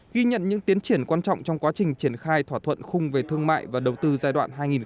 ghi nhận những tiến triển quan trọng trong quá trình triển khai thỏa thuận khung về thương mại và đầu tư giai đoạn hai nghìn hai mươi